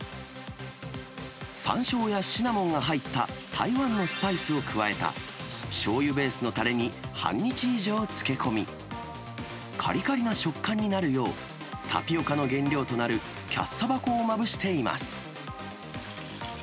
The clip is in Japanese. サンショウやシナモンが入った台湾のスパイスを加えた、しょうゆベースのたれに半日以上漬け込み、かりかりな食感になるよう、タピオカの原料となるキャッサバ粉をまぶしています。